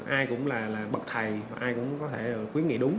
ai cũng là bậc thầy và ai cũng có thể khuyến nghị đúng